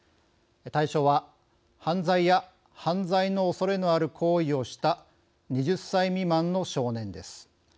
対象は、犯罪や犯罪のおそれのある行為をした２０歳未満の少年です。